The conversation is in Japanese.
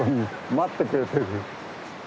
待ってくれてる！